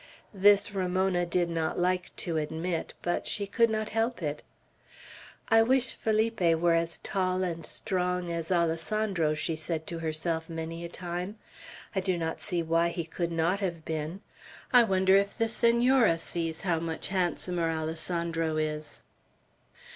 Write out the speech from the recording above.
This Ramona did not like to admit, but she could not help it. "I wish Felipe were as tall and strong as Alessandro," she said to herself many a time. "I do not see why he could not have been. I wonder if the Senora sees how much handsomer Alessandro is."